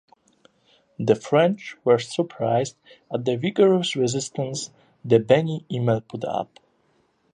The French were surprised at the "vigorous resistance" the Beni Immel put up.